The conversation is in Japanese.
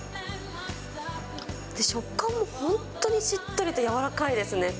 食感も本当にしっとりとやわらかいですね。